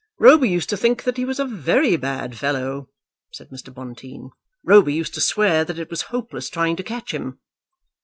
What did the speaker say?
"Roby used to think that he was a very bad fellow," said Mr. Bonteen. "Roby used to swear that it was hopeless trying to catch him."